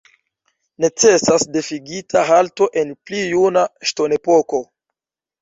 Necesas devigita halto en pli juna ŝtonepoko.